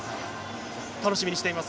楽しみにしています。